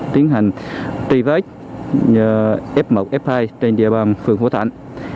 tiến hành truy vết f một f hai trên địa bàn phường phổ thạnh